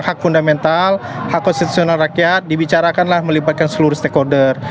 hak fundamental hak konstitusional rakyat dibicarakanlah melibatkan seluruh stakeholder